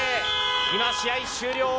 今、試合終了。